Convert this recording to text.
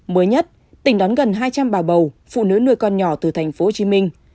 mới nhất tỉnh đón gần hai trăm linh bà bầu phụ nữ nuôi con nhỏ từ thành phố hồ chí minh